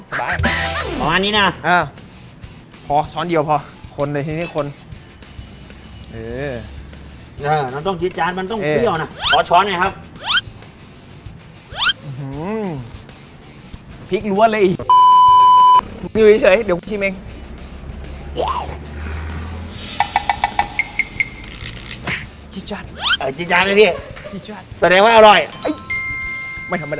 กับน้ำปลานะอ๋ออันนี้มันเชื่อมเหรอฮะอืมโอ้หวานสบาย